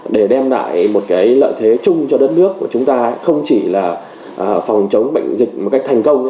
để đem lại một lợi thế chung cho đất nước của chúng ta không chỉ là phòng chống bệnh dịch một cách thành công